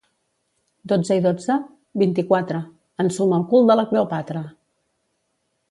—Dotze i dotze? —Vint-i-quatre. —Ensuma el cul de la Cleopatra!